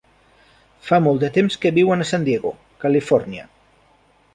Fa molt de temps que viuen a San Diego, Califòrnia.